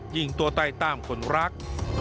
ยิงตัวตายตามคนรัก